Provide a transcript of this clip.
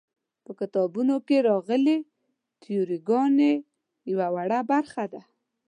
په کتابونو کې راغلې تیوري ګانې یوه وړه برخه ده.